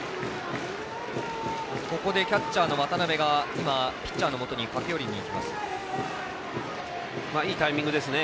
ここでキャッチャーの渡辺がピッチャーのもとにいいタイミングですね。